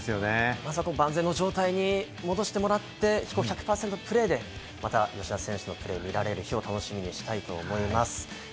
なんとか万全の状態に戻してもらって、１００％のプレーで、吉田選手のプレーを見れる日を楽しみにしたいと思います。